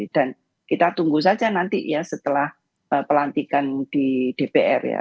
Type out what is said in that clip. dan kita tunggu saja nanti ya setelah pelantikan di dpr ya